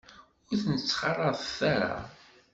Ur ten-ttxalaḍet ara.